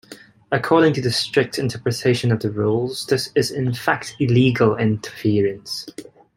According to the strict interpretation of the rules, this is in fact illegal interference.